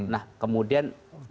nah kemudian merujut kepada